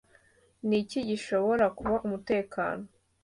Niki gishobora kuba Umutekano,